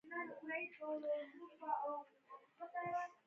یوزرودوهسوه اوپنځهدېرس، لک، ملیون، کروړ، ملیارد